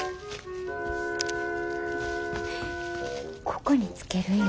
ここにつけるんよ。